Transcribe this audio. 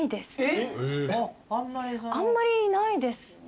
あんまりいないですね。